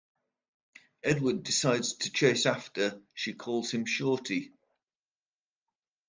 Edward decides to chase after she calls him "shorty".